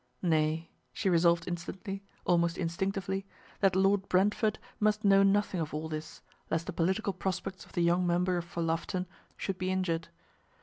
Nay, she resolved instantly, almost instinctively, that Lord Brentford must know nothing of all this, lest the political prospects of the young member for Loughton should be injured.